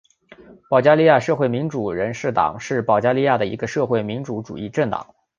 保加利亚社会民主人士党是保加利亚的一个社会民主主义政党。